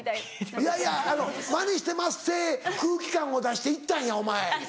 いやいやマネしてまっせ空気感を出して行ったんやお前。